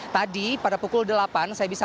tadi pada pukul delapan saya bisa